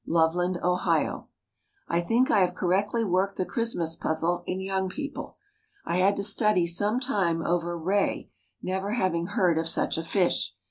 LOVELAND, OHIO. I think I have correctly worked the Christmas Puzzle in Young People. I had to study some time over "ray," never having heard of such a fish.